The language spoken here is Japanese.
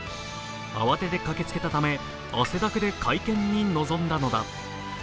慌てて駆けつけたため汗だくで会見に臨んだのだ。